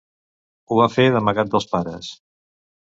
Ho va fer d'amagat dels pares.